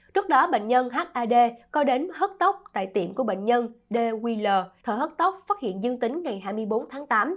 trước đó bệnh nhân had có đến hớt tóc tại tiệm của bệnh nhân dwl thở hớt tóc phát hiện dương tính ngày hai mươi bốn tháng tám